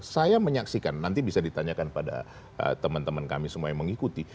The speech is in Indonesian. saya menyaksikan nanti bisa ditanyakan pada teman teman kami semua yang mengikuti